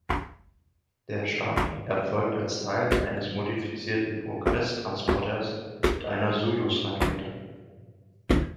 Der Start erfolgte als Teil eines modifizierten Progress-Transporters mit einer Sojus-Rakete.